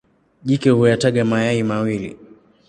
Jike huyataga mayai mawili.